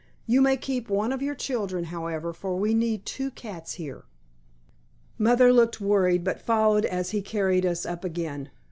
You may keep one of your children, however, for we need two cats here." Mother looked worried, but followed as he carried us up again.